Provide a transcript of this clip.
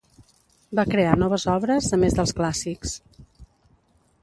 Va crear noves obres, a més dels clàssics.